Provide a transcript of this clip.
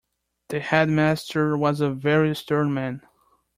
The headmaster was a very stern man